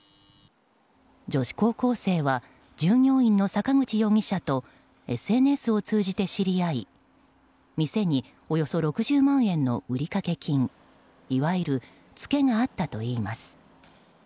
女子高校生は従業員の坂口容疑者とＳＮＳを通じて知り合い店におよそ６０万円の売掛金いわゆるツケがあったといいます。